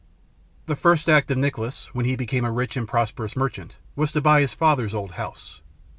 The first act of Nicholas, when he became a rich and prosperous merchant, was to buy his father's old house.